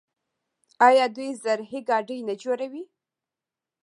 آیا دوی زرهي ګاډي نه جوړوي؟